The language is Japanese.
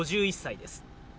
５１歳です